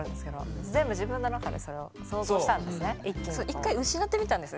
一回失ってみたんです